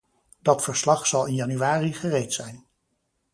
Dat verslag zal in januari gereed zijn.